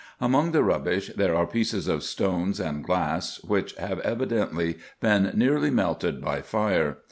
Among the rubbish there are pieces of stones and glass, which have evidently been nearly melted by fire.